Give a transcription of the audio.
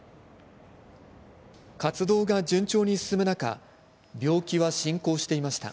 活動が順調に進む中病気は進行していました。